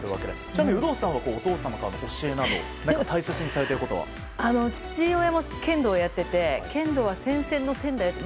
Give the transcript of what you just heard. ちなみに有働さんはお父様からの教えなど父親も剣道をやっていて剣道は先々の先だよと。